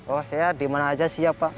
oh saya dimana aja siap pak